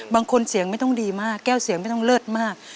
บางคนเสียงไม่ต้องดีมากแก้วเสียงไม่ต้องเลิศมาก